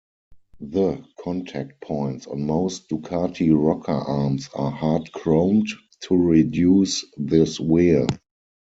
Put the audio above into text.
The contact points on most Ducati rocker arms are hard-chromed to reduce this wear.